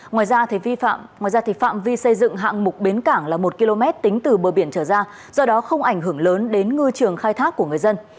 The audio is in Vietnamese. ngoài ra phạm vi xây dựng hạng mục bến cảng là một km tính từ bờ biển trở ra do đó không ảnh hưởng lớn đến ngư trường khai thác của người dân